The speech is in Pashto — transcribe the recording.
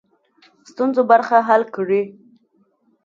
ستونزو برخه حل کړي.